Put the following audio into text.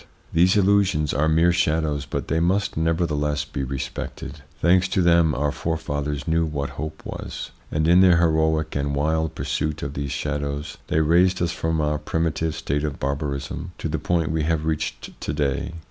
These illusions are mere shadows, but they must nevertheless be respected. Thanks to them our forefathers knew what hope was, and in their heroic and wild pursuit of these shadows they raised us from our primitive state of barbarism to the point we have reached to day.